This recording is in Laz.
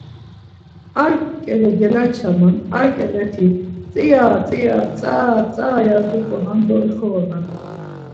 ar ǩele gelaçaman ar ǩeleti 'tsiya tsiya tsaaa tsaaa..' ya zop̌onan do ixoronan.